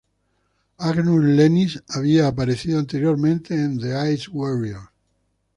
Angus Lennie había aparecido anteriormente en "The Ice Warriors".